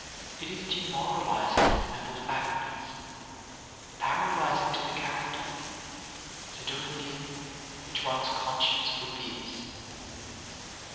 It is demoralizing to the mental faculties, paralyzing to the character, to do a thing which one's conscience forbids."